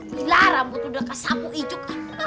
gila rambut udah kesamu ijuk